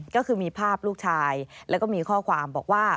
ก็คือมีภาพลูกชายแล้วก็มีข้อความบอกว่า